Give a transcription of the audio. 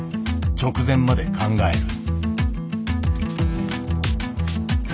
直前まで考える。